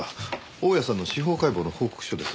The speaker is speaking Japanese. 大屋さんの司法解剖の報告書です。